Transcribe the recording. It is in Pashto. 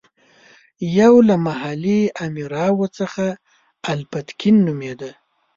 یو له محلي امراوو څخه الپتکین نومېده.